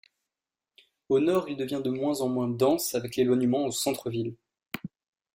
Au nord, il devient de moins en moins dense avec l'éloignement au centre-ville.